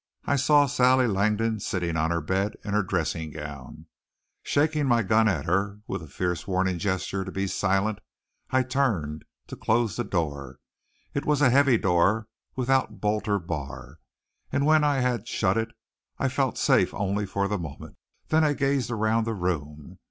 I saw Sally Langdon sitting on her bed in her dressing gown. Shaking my gun at her with a fierce warning gesture to be silent, I turned to close the door. It was a heavy door, without bolt or bar, and when I had shut it I felt safe only for the moment. Then I gazed around the room.